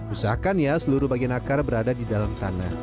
usahakan ya seluruh bagian akar berada di dalam tanah